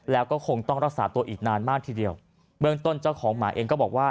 แล้วก็คงต้องรักษาตัวอีกนานมากทีเดียวเบื้องต้นเจ้าของหมาเองก็บอกว่า